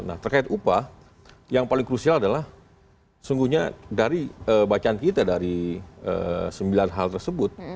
nah terkait upah yang paling krusial adalah sungguhnya dari bacaan kita dari sembilan hal tersebut